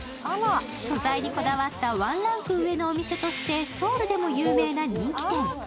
素材にこだわったワンランク上のお店としてソウルでも有名な人気店。